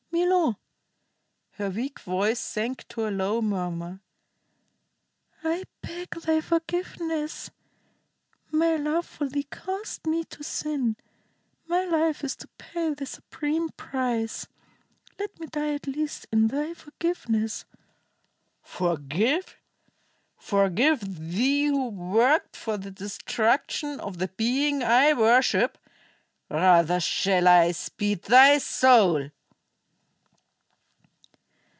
Milo" her weak voice sank to a low murmur "I beg thy forgiveness. My love for thee caused me to sin. My life is to pay the supreme price. Let me die at least in thy forgiveness." "Forgive? Forgive thee, who worked for the destruction of the being I worship? Rather shall I speed thy soul!"